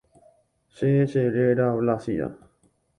Che cheréra Blásida.